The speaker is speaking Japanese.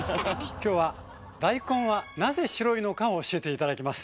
今日は大根はなぜ白いのかを教えて頂きます。